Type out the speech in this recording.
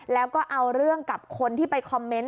แล้วก็เอาเรื่องกับคนที่ไปคอมเมนต์